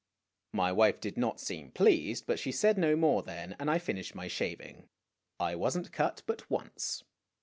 My wife did not seem pleased, but she said no more then, and I finished my shaving. I was n't cut but once.